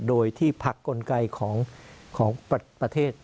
โดยที่พักกลไกของประเทศ